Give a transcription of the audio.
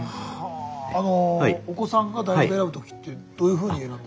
あのお子さんが大学選ぶ時ってどういうふうに選んだ？